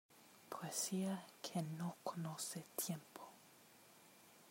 Poesía que no conoce tiempo...